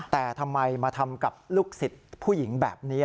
แต่ทำไมมาทำกับลูกศิษย์ผู้หญิงแบบนี้